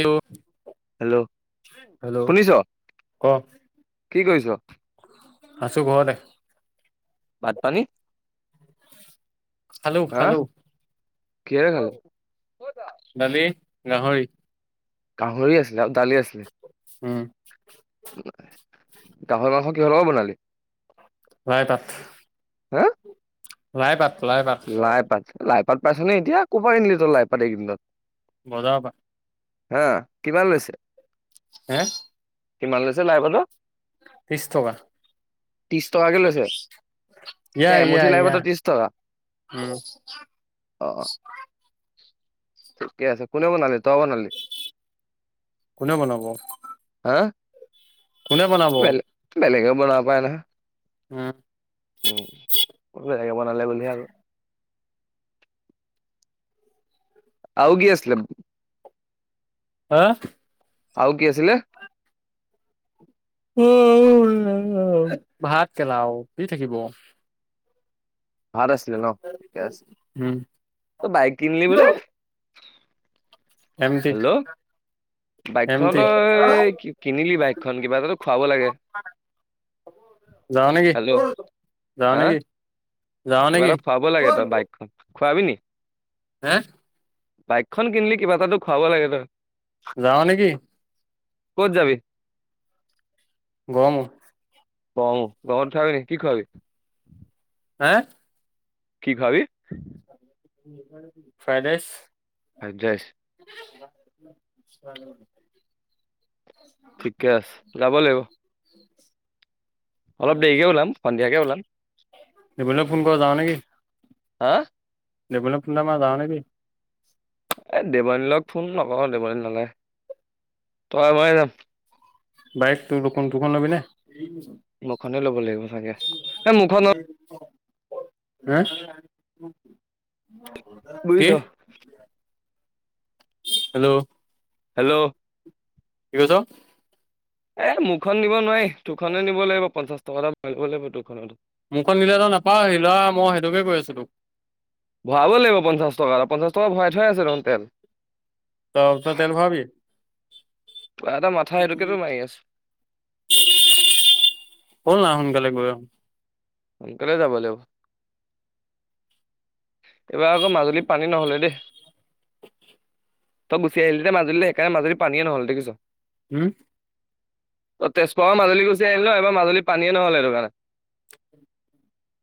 Hello hello. Hello শুনিছ ক কি কৰিছ? আছো ঘৰতে। ভাত পানী। খালোঁ হা খালোঁ। কিহেৰে খালা? দালি গাহৰি। গাহৰি আছিলে আৰু দালি আছিলে। উম। গাহৰি মাংস কিহৰ লগত বনালি? লাই পাত। হা। লাই পাত। লাই পাত লাই পাত লাই পাত পাইছনে এতিয়া ক'ৰ পৰা আনিলি তই লাইপাত এইকেইদিনত। বজাৰ পৰা। হা কিমান লৈছে। হা। কিমান লৈছে লাই পাতৰ। ত্ৰিশ টকা। ত্ৰিশ টকাকে লৈছে ইয়া এ ইয়া এমুঠি লাই ইয়া পাতৰ ত্ৰিশ টকা। উম। অ অ ঠিকে আছে কোনে বনালে তই বনালি। কোনে বনাব? হা। কোনে বনাব? বেলেগ বেলেগে বনাব পাৰে ন। উম। উম মই এনেকে বনালে বুলি ভাৱো। আৰু কি আছিলে। হা। আৰু কি আছিলে? উম ভাত কেলা অ কি থাকিব। ভাত আছিলে ন ঠিক আছে উম তই বাইক কিনিলি বোলে। M T. এম টি বাইকখনতো কিনিলি বাইকখন কিবা এটা ত খুৱাব লাগে। যাওঁ নেকি হেল্ল' যাওঁ হা নেকি। যাওঁ কিবা নেকি এটা খুৱাব লাগে তই বাইকখন খোৱাবি নি। হে। বাইকখন কিনিলি কিবা এটা তো খুৱাব লাগে তই। যাৱ নেকি। ক'ত যাবি। ঘৰ মোৰ। অ ঘৰত খোৱাবি নি কি খোৱাবি। হা। কি খোৱাবি। ফ্ৰাইডৰাইচ। ফ্ৰাইডৰাইচ। খোৱাবা জানো। ঠিকে আছে যাব লাগিব। [unintelligible] অলপ দেৰিকে ওলাম সন্ধিয়াকে ওলাম। দিবলৈ ফোন কৰ যাওঁ নেকি? হাঁ দেবলে ফন এটা মাৰা যাঁও নেকি? এই দেৱানীলক ফোন নকৰ দেৱানী নলাই তই মই যাম। বাইক তোৰ দুখন লবি নে- মুৰখনে ল'ব লাগিব চাগে এ মুৰখনত হম। বুজিছ। হেল্ল' হেল্ল' কি কৈছ? এ মোৰখন নিব নোৱাৰি তোৰখনে নিব লাগিব পঞ্চাশ টকা এটা লাগিব তোৰখনতো মোৰখন নিলে নাপাওঁ আহি লৰা মই সেইটোকে কৈ আছিলো তোক ভৰাব লাগিব পঞ্চাশ টকা আৰু পঞ্চাশ টকা ভৰাই থৈ আছে ৰ তেল ত ত তেল খুৱোবি। ত এটা মাথা সেইটোকে তো মাৰি আছো ব'ল না সোনকালে গৈ অহো সোনকালেই যাব লাগিব। এইবাৰ আকৌ মাজুলী পানী নহলে দেই। তই গুচি আহিলি মাজুলী সেইকাৰণে মাজুলী পানীয়ে নহল দেখিছ- হম তেজপুৰৰ মাজুলী গুচি আহনিল এইবাৰ মাজুলী পানীয়ে নহল এইেইটো কাৰণে-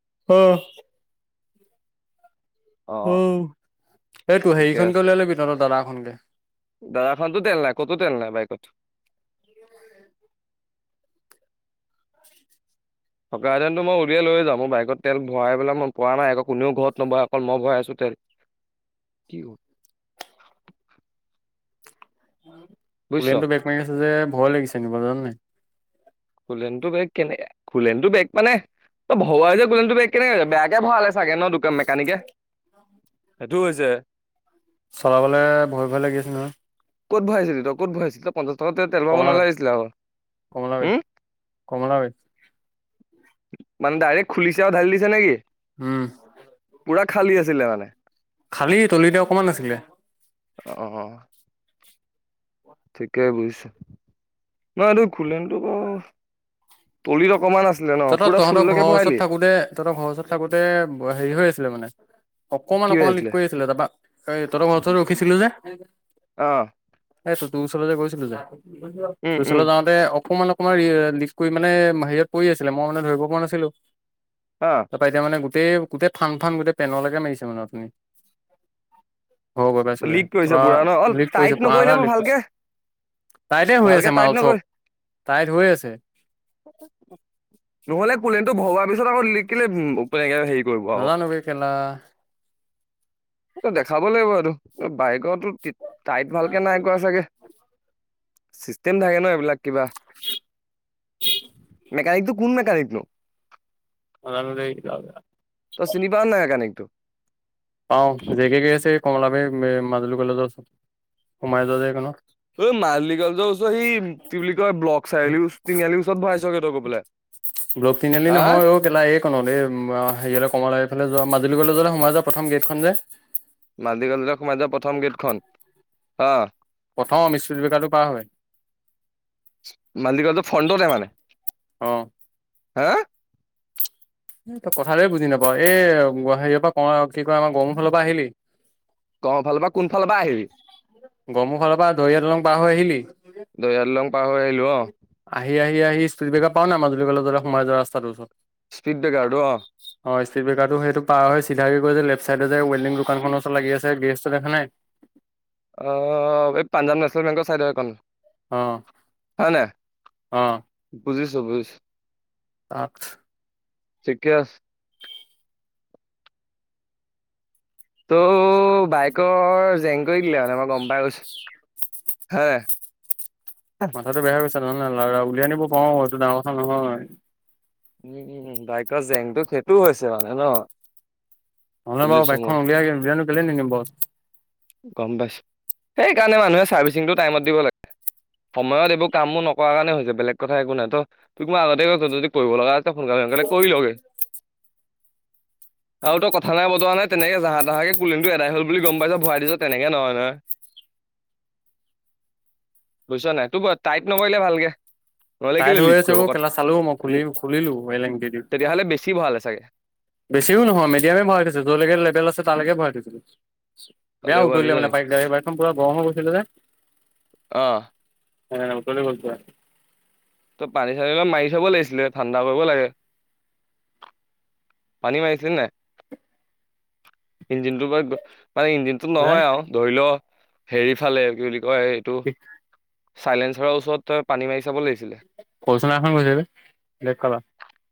[unintelligible] উম। অ অঁ এইটো ঠিকে আছে হেৰিখনকে উওলিয়াই লবি তহতৰ দাদাখনকে দাদাখনতো তেল নাই কত তেল নাই বাই কত- [unintelligible] থকী হেতেন মই উলিয়াই লৈ যা মোৰ বাইকত তেল ভৰাইবেলাক মই পৰা নাই আক কোনেও ঘৰত নবয় অকল মই ভৰাই আছো তে কি [unintelligible] বুজিছ লনতটো বেগ মাৰি আছে যে ভয় লাগিছেনিব জান নাই কোলেনটো বেগ কেনেক কোলেতো টো বেগ মানে ত ভৰাই যে কোলেলনটো বেগ কেনেক বেয়াকে ভৰা লছে চাগে ন দু মেকানিকে সেইটো হৈছে চলাবলৈ ভয় ভয় লাগি আছে নহয় ক'ত ভৰাইছিলি তই ক'ত ভৰাইছিলি তই পঞ্চাছ টকাত তেল ভৰাব নালাগিছিলে আৰু কমলাবাৰী মানে ডাইৰেক্ট খুলিছে আৰু ঢালি দিছে নেকি উম পুৰা খালী আছিলে মানে খালি তলিতে অকমান আছিলে ঠিকেই বুজিছা ন এই খুলনতো ক তলিত অকমান আছে তহঁত তহঁতৰ ঘৰৰ ওচৰত থাকোতে তহতৰ ঘৰৰ ওচৰত থাকোতে হেৰি হৈ আছিলে মানে অকমান কি হৈ অকমান লিক কৰি আছিলে তাবা এ তহঁতৰ ঘৰ ওচৰত ৰখিছিলো যে অহ এই তো তো তোৰ ওচৰলৈ যে গৈছিলো যে উম তোৰ উম ওচৰলৈ যাওঁতে অকমান কৰি মানে সাযিয়ত পৰি আছিলে মই মানে ধৰিব পৰা নাছিলো অ তাৰপা এতিয়া মানে গোটেই গোটেই ফান্ ফান গোটেই পেনলৈকে মাৰিছে মানে আপুনি হব গৈ পাইছো ৰে লিক কৰিছে পুৰা ন অ পোৰা লিক টাইট কৰিছে নকৰিলে মই [unintelligible] ভালকে তাইতে হৈ ভালকে আছে টাইট মাল নকৰি চব তাইত হৈ আছে নহ'লে কোলেনটো ভৰোৱা পিছত আকৌ লিক কেলে [unintelligible] আকৌ নাজানো বে কেলা। এইটো দেখাব লাগিব এইটো বাইকৰতো টাইত ভালকে নাই কৰা চাগে। চিষ্টেম থাকে ন এইবিলাক। কিবা মেকানিকটো কোন মেকানিক নো? নাজানো দেই তই চিনি পাও নাই মেকানিকটো? পাও জেকে গৈ আছে কমলাবাৰ মাজুলী কলেজৰ ওচৰত সোমাই যোৱা যে এইকনত ঐ মাল্টি কলেজৰ ওচৰত সি কি বুলি কয় ব্লক চাৰিআলি ওচৰ তিনিআলিৰ বহাইছে ব্লক তিনিআলি নহয় অ কেলা। এই খনত এই হেৰিয়াললে কমলাবাৰী ইফালে যোৱা মাজুলী কলেজ য'লে সোমাই যোৱা প্ৰথম গেটখন যে মাজুলী কলেজৰে সোমাই যোৱা প্ৰথম গেটখন? অ প্ৰথম ইস্পিত ব্ৰেকাৰটো পাৰ হৈ মাজুলী কলেজৰ ফাণ্ডটতে মানে অ হা এই তই কথাটোৱে বুজি নাপাও। এই হেয়ৰ পৰা ক কি কয় আমাৰ গৰমোৰফালৰ পৰা আহিলি গফালৰ পৰা কোনফালৰ বা আহিবি গৰমোক ফালৰ পৰা দৰিয়া দলং পাৰ হৈ আহিলি দয়াদলং পাৰ হৈ আহিলো অ আহি আহি সি আহি স্পিৰিট বেকাৰ পাও নাই মাজুলী কলেজলে সোমাই যোৱা ৰাস্ত টোৰ ওচৰত স্পীড ব্ৰেকাৰটো অ স্পিৰিট বেকাৰটো সেইটো পাৰ হৈ চিধা গৈ যে লেফট চাইডে যে ৱেল্ডি দোকান ওচৰত লাগি আছে গেৰেজটো দেখা নাই। আহ এই পাঞ্জাৱ নেশ্যনেল বেংকৰ চাইড একন অ হয় নাই বুজিছো বুজিছো আঠ [unintelligible] ঠিকে আছে। ত' বাইকৰ জেং কৰি দিলে মানে মই গম পাইগেছো। হে মাথাটো বেয়া গৈছে নহয় লাউৰা। উলিয়াই আনিব পাৰো এইটো ডাঙৰ কথা নহয়। উম বাইকৰ জেংটো সেইটো হৈছে মানে ন নহলে বাৰু বুজিছো মই বাইকখন উলিয়াই, উলিয়ানো কেলে নিনিম বাৰু। গম পাইছো সেইকাৰণে মানুহে চাৰ্ভিচিংটো টাইমত দিব লাগে। সময়ত এইবোৰ কামো নকৰা কাৰণে হৈছে। বেলেগ কথা একো নাই তই তুক মই আগতে কৈছো যদি কৰিব লগা আছে, সোনকালে হয় সোনকালে কৰি লগে। আৰু তই কথা নাই বতৰা নাই তেনেকে জাহা তাহাঁকে কুলেনটো এদাই হল বুলি গম পাইছ ভয় খাইছ তেনেকে নহয় নহয়। বুজিছা নাই নাই তোক টাইত নকৰিলে ভালকে। নহলে টাইট কেলে হৈ লিক আছে কৰিব অ' কেলা চালো মই খুলি খুলিলো এলেংটি দি দি তেতিয়াহলে বেছি ভৰালে চাগে। বেছিও নহয় মিডিয়ামে ভৰাই থৈছে যৰলৈকে লেভেল আছে তালৈকে ভৰাই থয় দিছিলো বেয়া উতলিলে মানে ছোৱালীজনী। পাৰক য বাৰকখন পুৰা গৰম হৈ গৈছিলে যে অ অহ ওতলি গ'ল পুৰা তই পানী চানী অলপমান মাৰি থব লাগিছিলে ঠাণ্ডা কৰিব লাগে। পানী মাৰিছিলি নাই? ইঞ্জিনটোৰ পৰা মানে ইঞ্জিনটোত হে নহয় আৰু ধৰি লও হেৰি ফালে কি বুলি কয় এইটো চাইলেন্ঞ্চৰ ওচৰত তই পানী মাৰি চাব লাগিছিলে। [unintelligible]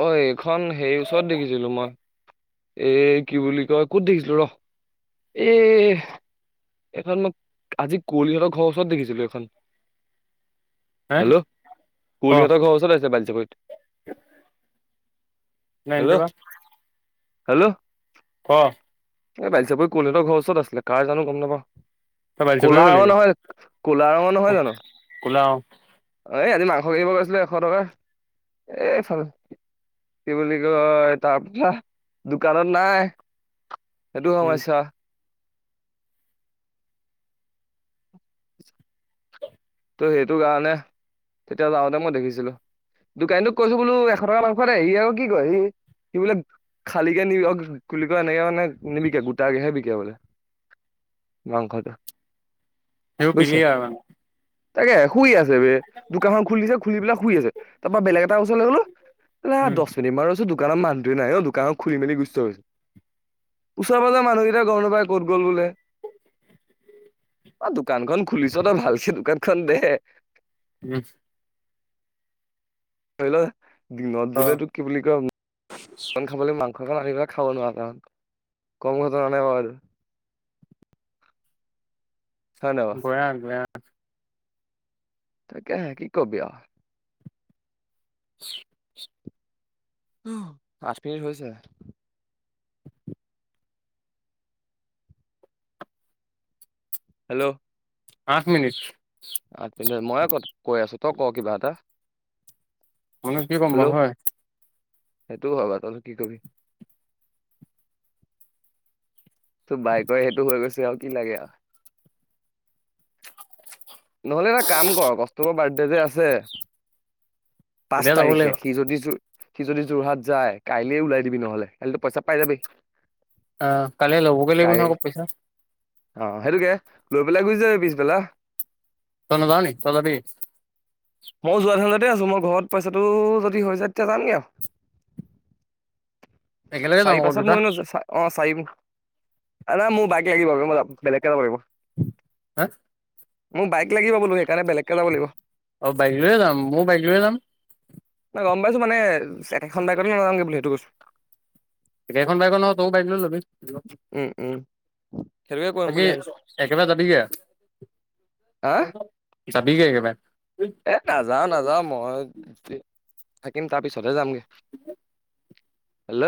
অ এইখন হেৰি ওচৰত দেখিছিলো মই এ কি বুলি কয় ক'ত দেখিছিলো ৰ এ এইখন মই আজি কঁলীহঁতৰ ঘৰৰ ওচৰত দেখিছিলো এইখন। হে হেল্লো' ক কোৱলীহঁতৰ ঘ ওচৰত আছে বালিচাকৰিত। নাইন টি বা হেল্লো' ক এই বালিচাপৰি কলহঁৰ ওচৰত আছিলে কাৰ জানো গম নাপাওঁ। তই বালি চাপৰি কলা গলি ৰঙৰ গে নহয়, কলা ৰঙৰ নহয় জানো? ক'লা অ' এই আজি মাংস। সব গৈছিলে এশ টকা, এই ভাল। [unintelligible] কি বুলি কয় তাৰ পাহ দোকানত নাই সেইটো উম সমস্যা। ত' সেইটো কাৰণে, তেতিয়া যাওঁতে মই দেখিছিলো। দোকানীক কৈছো বোলো এশ টকা মাংস নাই সি আৰু কি কয় সি। কি বোলে খালী কে নি বুলি ক এনেকে মানে। নিবিকে গোটাগেহে বিকে বোলে মাংসটো। সেইও বুজিছ পিলি আৰু মানে। তাকে শুই আছে বে দোকানখন খুলি দিছে খুলি পেলাই শুই আছে তাৰ পৰা বেলেগ এটা ওচৰলৈ গলো। নাই উম দহ মিনিট মান ৰই দোকানৰ মানুহোৱে নাই অ দোকানত খুলি মেলি গুস্ত হৈ হৈছে। ওচৰ পাচৰ মানুহকেইটা গম নাপাই ক'ত গ'ল বোলে। অ দোকানখন খুলিছ ন ভালকে দোকানখন দে। ম ধৰি লোৱা, দিনত ক বোলে তোক কি বুলি কয়, খাবলৈ মাংস। স আনিবেলাক খাব নোৱাৰা, কাৰ কমত ন আৰু। [unintelligible] হয় নহয় বাৰু গয়া গয়া তাকেহে কি কবি আও [unintelligible] উ আঠ মিনিট হৈছে। হেল্ল'। আঠ মিনিট। আঠ মিনিট মইয়ে ক কৈ আছো তই ক কিবা এটা। মইনো কি কম বা হয় সেইটোও হবা ত কি কবি। ত বাইক সেইটো হৈ গৈছে আৰু কি লাগে। নহ'লে এটা কাম কৰ কষ্টকৰ বাৰ্থডেতে আছে। পাঁচ এতিয়া যাব লাগিব তাৰিখে সি যদি। সি যদি যোৰহাট যায় কাইলে ওলাই দিবি নহলে কাইলেতো পইচা পাই যাবি। অ কাইলে ল'বগে লাগিব কাই নহয় পইছা। অ সেইটোকে লৈ পেলাই গুচি যাবি পিছ বেলা তাই নাজাৱ নি, তই যাবি? মই যোৱা ধান্দাতে আছো, মই ঘৰত পইচাটো যদি হৈ যায় তেতিয়া যামগে আৰু। একেলগে যাম চাৰি আকৌ পাছত দুটা মইনো অ' চাৰি নাই মোৰ বাইক লাগিব, মই বেলেগকে নাপাৰিব। হা? মোক বাইক লাগিব বোলো সেইকাৰণে বেলেগকে যাব লাগিব। অ', বাইক লৈয়ে যাম। ময়ো বাইক লৈয়ে যাম। গম পাইছো মানে একেখন বাইকতো নাযাওঁগে বুলি সেইটো কৈছো। একেখন বাইকত নহয় গম [unintelligible] উম, উম, সেইটোকে কৰিম তই কি বুলি ভাবিছো। একবাৰে যাবিগে? হা যাবি গৈ একেবাৰে? এ নাযাও নাযাও মই থাকিম, তাৰ পিছতহে যামগে। [unintelligible] হেল্ল',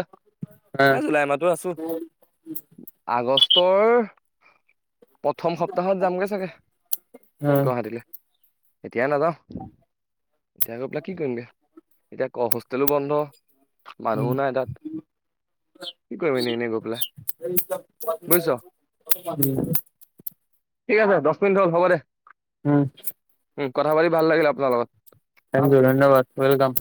অ এ জুলাই মাহতো আছো। আগষ্ট তৰ প্ৰথম সপ্তাহত যামগে চাগে, গুৱাহাটীলৈ। এতিয় নাযাওঁ, এতিয়া গৈ পেলাই কি কৰিমগৈ এতিয়া ক হোষ্টেলো বন্ধ। মানুহ নাই তাত। কি কৰিম এনে এনে গৈ পেলাই বুজিছ [unintelligible] ঠিক আছে দছ মিনিট হ'ল হ'ব দে। উম, কথা পাতি ভাল লাগিল আপোনাৰ লগত। অ ধন্যবাদ ৱেলকাম